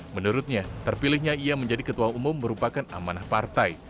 menurutnya terpilihnya ia menjadi ketua umum merupakan amanah partai